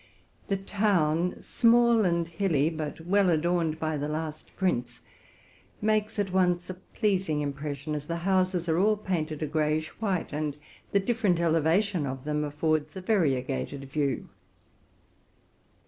The town, small and hilly, but well adorned by the last prince, makes at once a pleasing impression, as the houses are all painted a grayish white, and the different elevation of them affords a variegated view.